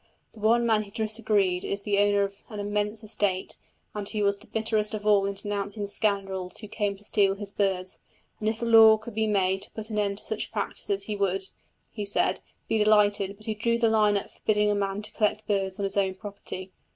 The one man who disagreed is the owner of an immense estate, and he was the bitterest of all in denouncing the scoundrels who came to steal his birds; and if a law could be made to put an end to such practices he would, he said, be delighted; but he drew the line at forbidding a man to collect birds on his own property.